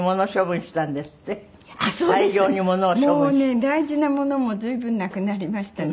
もうね大事なものも随分なくなりましたね。